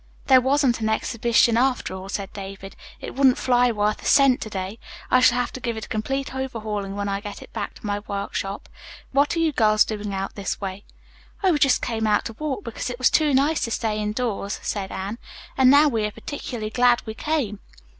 "There wasn't any exhibition, after all," said David. "It wouldn't fly worth a cent to day. I shall have to give it a complete overhauling when I get it back to my workshop. What are you girls doing out this way?" "Oh, we just came out to walk, because it was too nice to stay indoors," said Anne. "And now we are particularly glad we came."